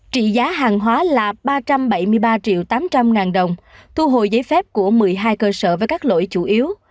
trị giá hàng hóa là ba trăm bảy mươi ba triệu tám trăm linh ngàn đồng thu hồi giấy phép của một mươi hai cơ sở với các lỗi chủ yếu